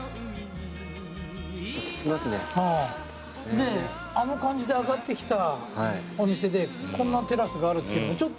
であの感じで上がってきたお店でこんなテラスがあるってちょっとね。